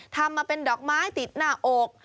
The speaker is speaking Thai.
ทำมาเป็นดอกไม้ติดหน้าอก